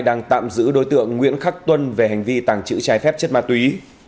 đối tượng nguyễn khắc tuân về hành vi tàng trữ trái phép chất ma túy